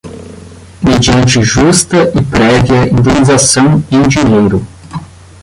mediante justa e prévia indenização em dinheiro